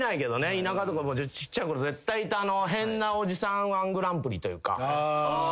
田舎とかちっちゃい頃絶対いた変なおじさん−１グランプリというか。